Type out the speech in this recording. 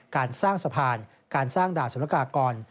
การสร้างสะพานการสร้างด่านสุรกากร